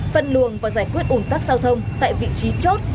phân luồng và giải quyết ủng tắc giao thông tại vị trí chốt